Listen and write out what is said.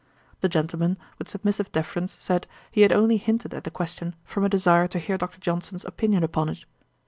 The gentleman, with submissive deference, said, he had only hinted at the question from a desire to hear Dr. Johnson's opinion upon it.